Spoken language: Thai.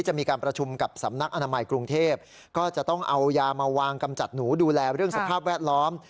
จะมีการประชุมกับสำนักอนามัยกรุงเทพก็จะต้องเอายามาวางกำจัดหนูดูแลเรื่องสภาพแวดล้อม